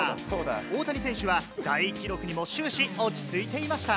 大谷選手は大記録にも終始落ち着いていました。